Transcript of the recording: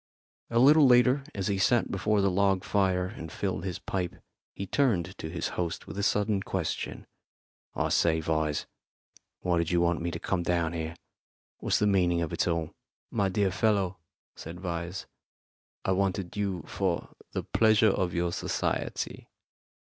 A little later, as he sat before the log fire and filled his pipe, he turned to his host with a sudden question: "I say, Vyse, why did you want me to come down here? What's the meaning of it all?" "My dear fellow," said Vyse, "I wanted you for the pleasure of your society.